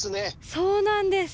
そうなんです！